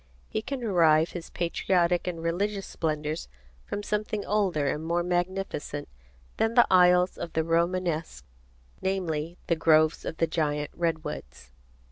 He can derive his Patriotic and Religious Splendors from something older and more magnificent than the aisles of the Romanesque, namely: the groves of the giant redwoods.